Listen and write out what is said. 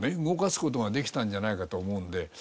動かす事ができたんじゃないかと思うので。